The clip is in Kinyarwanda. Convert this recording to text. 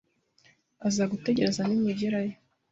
Azagutegereza nimugerayo.